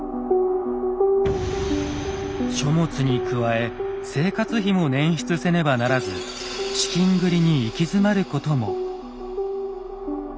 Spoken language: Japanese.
書物に加え生活費も捻出せねばならず資金繰りに行き詰まることも。